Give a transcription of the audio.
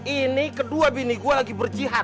ini kedua bini gue lagi berjihad